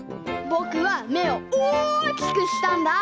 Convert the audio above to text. ぼくはめをおおきくしたんだ！